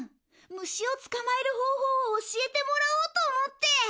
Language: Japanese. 虫を捕まえる方法を教えてもらおうと思って。